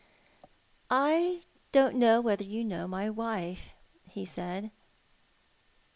\" I don't know whether you know my Wife," he said.